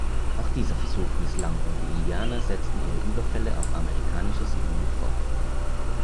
Auch dieser Versuch misslang und die Indianer setzten ihre Überfälle auf amerikanische Siedlungen fort.